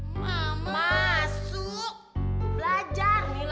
masuk belajar nih lah